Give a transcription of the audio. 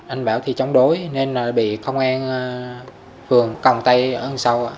anh bảo thì chống đối nên bị công an phường còng tay ở phía sau